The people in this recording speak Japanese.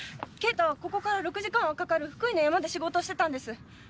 敬太はここから６時間はかかる福井の山で仕事をしてたんです。